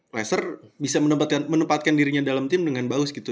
leicester bisa menempatkan dirinya dalam tim dengan bagus gitu